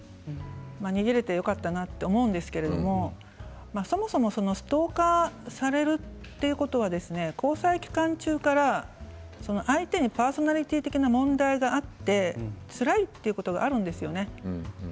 逃げられてよかったなと思うんですけれどそもそもストーカーされるということは交際期間中から相手にパーソナリティー的な問題があってつらいということがあるんですよね。